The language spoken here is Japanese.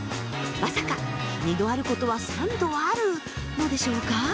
まさか二度あることは三度あるのでしょうか？